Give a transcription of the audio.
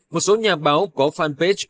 một số nhà báo có fanpage